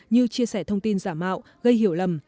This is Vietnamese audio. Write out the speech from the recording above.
như chia sẻ thông tin giả mạo gây hiểu lầm